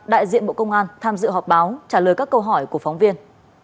đại diện bộ công an tham dự họp báo trả lời các câu hỏi của phóng viên